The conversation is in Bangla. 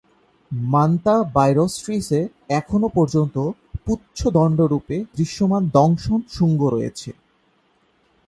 মান্তা বাইরোসট্রিস-এ এখনও পর্যন্ত পুচ্ছ-দণ্ড রূপে দৃশ্যমান দংশন-শুঙ্গ রয়েছে।